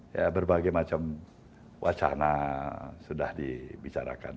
ya berbagai macam wacana sudah dibicarakan